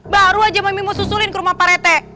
baru aja mami mau susulin ke rumah parete